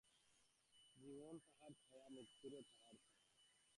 জীবন তাঁহার ছায়া, মৃত্যুও তাঁহার ছায়া।